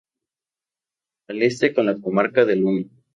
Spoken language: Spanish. Al Este con la comarca de Luna.